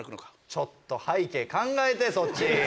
ちょっと背景考えてそっち！